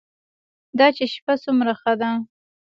دا چې شپه څومره ښه ده.